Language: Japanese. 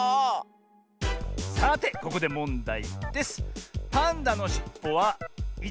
さてここでもんだいです。